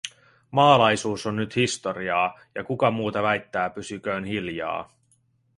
Maalaisuus on nyt historiaa, ja kuka muuta väittää pysyköön hiljaa.